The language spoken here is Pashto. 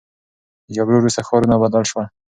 د جګړو وروسته ښارونه بدل سول.